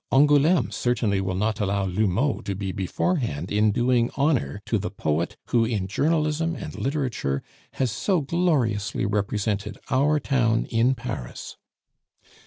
Angouleme certainly will not allow L'Houmeau to be beforehand in doing honor to the poet who in journalism and literature has so gloriously represented our town in Paris.